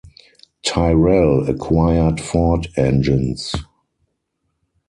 Tyrrell acquired Ford engines.